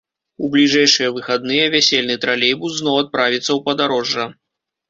У бліжэйшыя выхадныя вясельны тралейбус зноў адправіцца ў падарожжа.